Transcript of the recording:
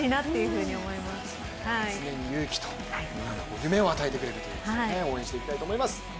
常に勇気と夢を与えてくれる、応援していきたいと思います。